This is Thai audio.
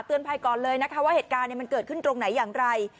ภัยก่อนเลยนะคะว่าเหตุการณ์มันเกิดขึ้นตรงไหนอย่างไร